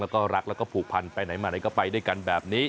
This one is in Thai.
แล้วก็รักแล้วก็ผูกพันไปไหนมาไหนก็ไปด้วยกันแบบนี้